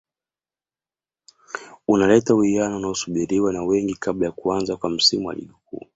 unaleta uwiano unaosubiriwa na wengi kabla ya kuanza kwa msimu wa ligi kuu